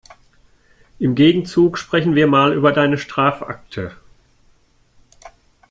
Im Gegenzug sprechen wir mal über deine Strafakte.